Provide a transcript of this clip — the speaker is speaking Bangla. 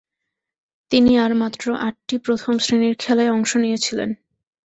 তিনি আর মাত্র আটট প্রথম-শ্রেণীর খেলায় অংশ নিয়েছিলেন।